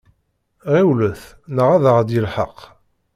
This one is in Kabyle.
Ɣiwlet neɣ ad aɣ-d-yelḥeq!